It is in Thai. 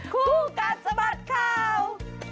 คู่กัดสะบัดข่าว